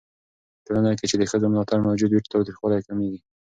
په ټولنه کې چې د ښځو ملاتړ موجود وي، تاوتريخوالی کمېږي.